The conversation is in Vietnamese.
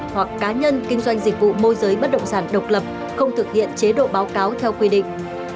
hoặc cá nhân kinh doanh dịch vụ môi giới bất động sản độc lập không thực hiện chế độ báo cáo theo quy định